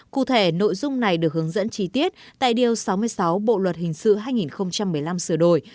cụ thể nội dung này được hướng dẫn chi tiết tại điều sáu mươi sáu bộ luật hình sự hai nghìn một mươi năm sửa đổi